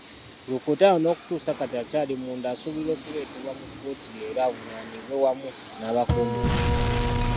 Rukutana n'okutuusa kati akyali munda asuubirwa okuleetebwa mu kkooti leero avunaanibwe wamu n'abakuumi be.